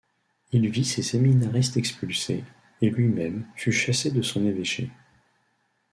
Il vit ses séminaristes expulsés, et lui-même fut chassé de son évêché.